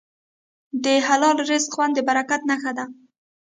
د حلال رزق خوند د برکت نښه ده.